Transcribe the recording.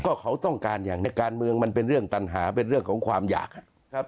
ก็เขาต้องการอย่างในการเมืองมันเป็นเรื่องตันหาเป็นเรื่องของความอยากครับ